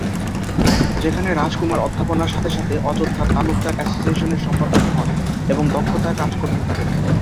সেখানে রাজকুমার অধ্যাপনার সাথে সাথে অযোধ্যার তালুকদার অ্যাসোসিয়েশনের সম্পাদক হন এবং দক্ষতার কাজ করতে থাকেন।